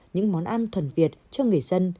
những món ăn thuần việt cho người dân